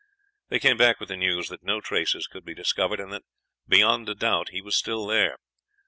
They came back with the news that no traces could be discovered, and that, beyond a doubt, he was still there.